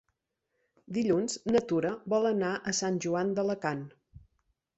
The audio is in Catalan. Dilluns na Tura vol anar a Sant Joan d'Alacant.